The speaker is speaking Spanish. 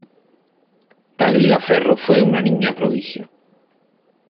Tagliaferro fue una niña prodigio.